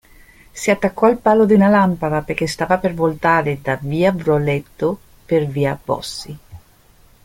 Si attaccò al palo di una lampada, perché stava per voltare da via Broletto per via Bossi.